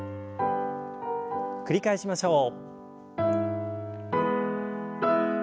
繰り返しましょう。